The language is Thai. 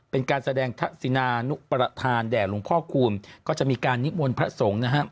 เป็นการแสดงทักษินานุประธานแด่หลวงพ่อคูณก็จะมีการนิมนต์พระสงฆ์นะฮะ